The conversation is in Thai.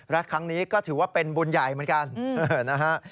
และครั้งนี้ก็ถือว่าเป็นบุญใหญ่เหมือนกันนะฮะ